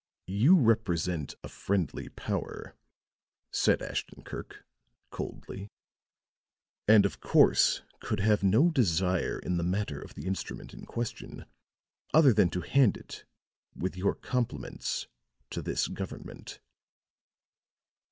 "You represent a friendly power," said Ashton Kirk, coldly, "and of course could have no desire in the matter of the instrument in question other than to hand it with your compliments to this government."